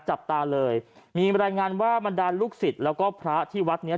จับตาเลยมีรายงานว่าบรรดาลูกศิษย์แล้วก็พระที่วัดเนี้ย